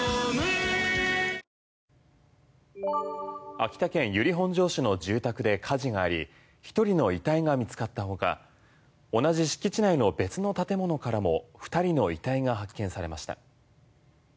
秋田県由利本荘市の住宅で火事があり１人の遺体が見つかった他同じ敷地内の別の建物からも２人の遺体が発見されました。